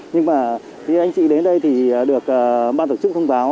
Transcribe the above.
nhưng mà khi anh chị đến đây thì được ban tổ chức thông báo